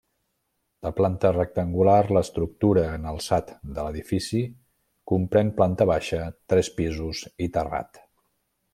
De planta rectangular, l'estructura en alçat de l'edifici comprèn planta baixa, tres pisos i terrat.